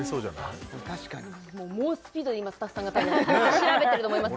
あっ確かに猛スピードで今スタッフさんが多分調べてると思います